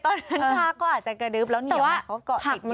ตอนนั้นจ้าก็อาจจะกระดืบแล้วเหนียวโป๊ะก็กล่อกินอยู่